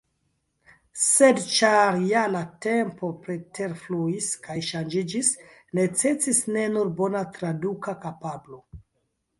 Sed ĉar ja la tempoj preterfluis kaj ŝanĝiĝis, necesis ne nur bona traduka kapablo.